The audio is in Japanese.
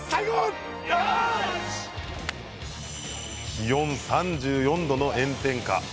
気温３４度の炎天下。